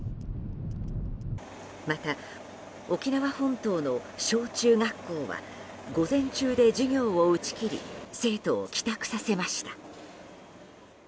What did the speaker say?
また、沖縄本島の小中学校は午前中で授業を打ち切り生徒を帰宅させました。